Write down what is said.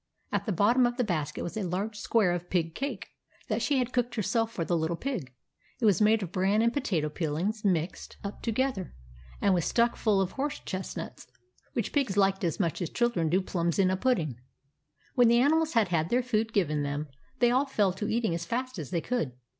At the bottom of the basket was a large square of pig cake, that she had cooked herself for the Little Pig. It was made of bran and potato peelings, mixed up together, and was stuck full of horse chestnuts, which pigs like as much as chil dren do plums in a pudding. When the animals had had their food given them, they all fell to eating as fast as they could.